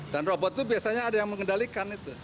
dan robot itu biasanya ada yang mengendalikan itu